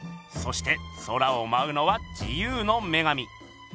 そして空をまうのは自由の女神。